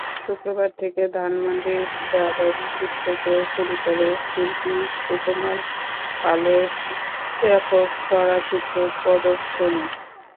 শুক্রবার থেকে ধানমন্ডির গ্যালারি চিত্রকে শুরু হলো শিল্পী সুকুমার পালের একক সরাচিত্র প্রদর্শনী।